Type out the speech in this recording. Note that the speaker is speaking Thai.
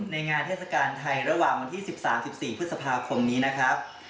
ในงานเทศกาลไทยระหว่างวันที่๑๓๑๔พฤษภาคมนี้นะครับ